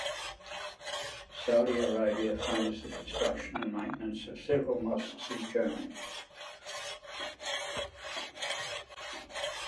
Saudi Arabia funds the construction and maintenance of several mosques in Germany.